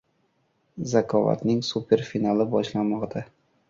“Zakovat”ning super finali boshlanmoqda!